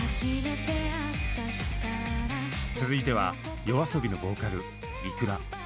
続いてはＹＯＡＳＯＢＩのボーカルｉｋｕｒａ。